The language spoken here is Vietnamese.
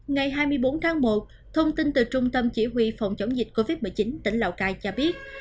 ngày hai mươi bốn tháng một thông tin từ trung tâm chỉ huy phòng chống dịch covid một mươi chín tỉnh lào cai cho biết